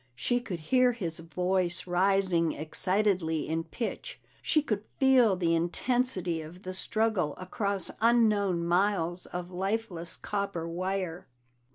She could hear his voice rising excitedly in pitch, she could feel the intensity of the struggle across unknown miles of lifeless copper wire.